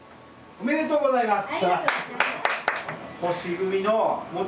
ありがとうございます。